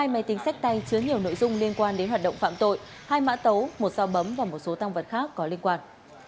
hai máy tính sách tay chứa nhiều nội dung liên quan đến hoạt động phạm tội hai mã tấu một sao bấm và một số tăng vật khác có liên quan